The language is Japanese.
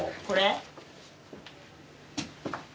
これ？